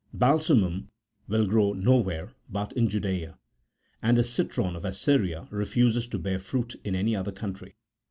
Balsamum73 will grow nowhere but [in74 Judaea] : and the citron of Assyria refuses to bear fruit in any other country.